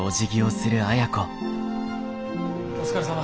お疲れさま。